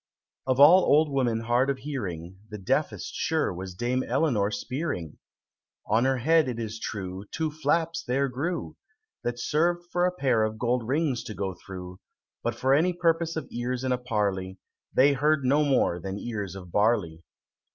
_ Of all old women hard of hearing, The deafest, sure, was Dame Eleanor Spearing! On her head, it is true, Two flaps there grew, That served for a pair of gold rings to go through, But for any purpose of ears in a parley, They heard no more than ears of barley.